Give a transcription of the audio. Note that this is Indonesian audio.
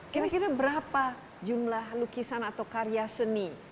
jadi kita berapa jumlah lukisan atau karya seni